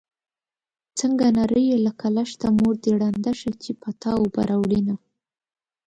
څنګه نرۍ يې لکه لښته مور دې ړنده شه چې په تا اوبه راوړينه